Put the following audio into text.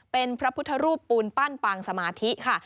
เป็นพระพุทธรูปปูนปั้นปางสมาธิค่ะ